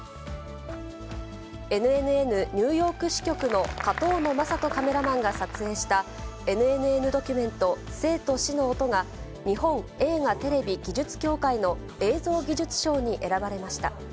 ＮＮＮニューヨーク支局の上遠野将人カメラマンが撮影した、ＮＮＮドキュメント、生と死の音が、日本映画テレビ技術協会の映像技術賞に選ばれました。